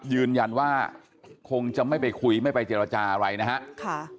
ยืนยันว่าคงจะไม่ไปคุยไม่ไปเจรจาอะไรนะฮะ